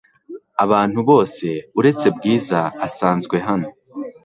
Abantu bose uretse Bwiza asanzwe hano.